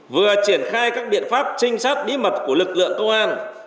vừa triển khai các biện pháp trinh sát bí mật của lực lượng công an